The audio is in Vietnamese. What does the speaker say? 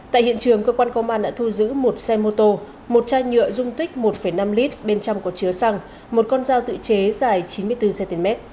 tại hiện trường cơ quan công an đã thu giữ một xe mô tô một chai nhựa dung tích một năm lít bên trong có chứa xăng một con dao tự chế dài chín mươi bốn cm